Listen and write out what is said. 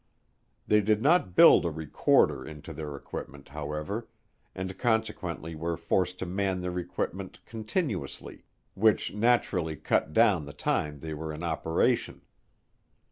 They did not build a recorder into their equipment, however, and consequently were forced to man their equipment continuously, which naturally cut down the time they were in operation.